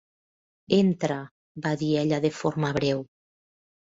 "Entra", va dir ella de forma breu.